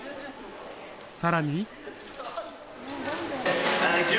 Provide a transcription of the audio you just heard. さらに。